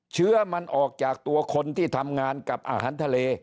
เชื้อมันออกจากตัวคนที่ทำงานกับอาหารทะเล